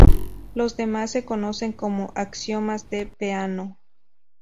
Los demás se conocen como "Axiomas de Peano".